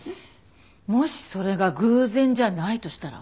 もしそれが偶然じゃないとしたら？